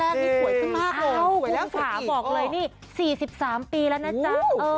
เอ้าคุณขาบอกเลยนี่๔๓ปีแล้วนะจ๊ะ